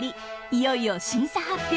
いよいよ審査発表。